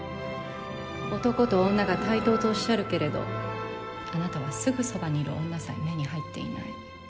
男と女が対等とおっしゃるけれどあなたはすぐそばにいる女さえ目に入っていない。